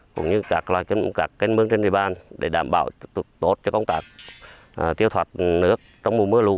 cũng như các loại canh mương trên địa bàn để đảm bảo tốt cho công tạc tiêu thoát nước trong mùa mưa lũ